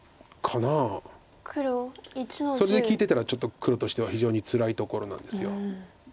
それで利いてたらちょっと黒としては非常につらいところなんです。